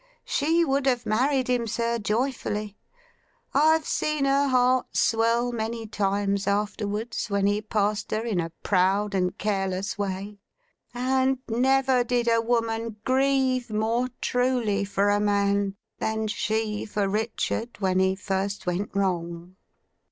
She would have married him, sir, joyfully. I've seen her heart swell many times afterwards, when he passed her in a proud and careless way; and never did a woman grieve more truly for a man, than she for Richard when he first went wrong.